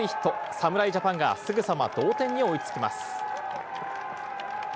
侍ジャパンがすぐさま同点に追いつきます。